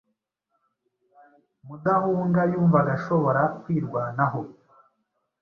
Mudahunga yumvaga ashobora kwirwanaho